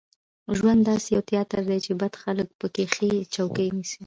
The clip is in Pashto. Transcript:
ژوند داسې یو تیاتر دی چې بد خلک په کې ښې چوکۍ نیسي.